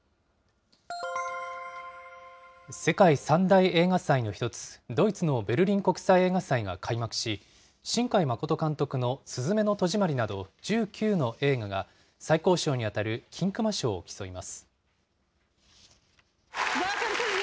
世界３大映画祭の１つ、ドイツのベルリン国際映画祭が開幕し、新海誠監督のすずめの戸締まりなど１９の映画が、最高賞に当たる金熊賞を競います。